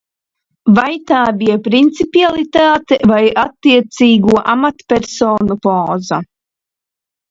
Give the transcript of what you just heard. Vai tā bija principialitāte vai attiecīgo amatpersonu poza?